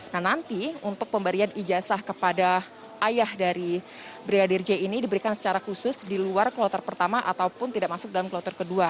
nah nanti untuk pemberian ijazah kepada ayah dari brigadir j ini diberikan secara khusus di luar kloter pertama ataupun tidak masuk dalam kloter kedua